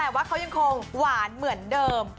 แต่ว่าเขายังคงหวานเหมือนเดิม